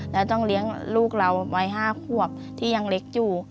และต้องเลี้ยงลูกเราวัย๕ขวบที่ยังเล็กอยู่